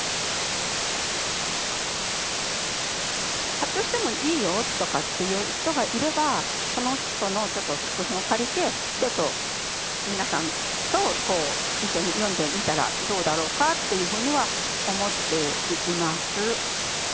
発表してもいいよとかっていう人がいればその人のちょっと作品を借りてちょっと皆さんと一緒に読んでみたらどうだろうかっていうふうには思っています。